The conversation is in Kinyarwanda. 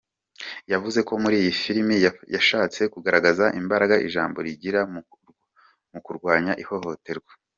Yavuze ko muri iyi filimi yashatse kugaragaza imbaraga ijambo rigira mu kurwanya ihohoterwa.